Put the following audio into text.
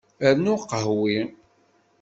Rnu aqehwi.